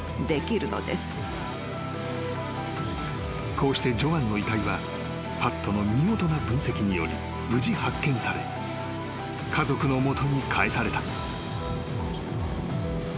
［こうしてジョアンの遺体はパットの見事な分析により無事発見され家族の元に帰された］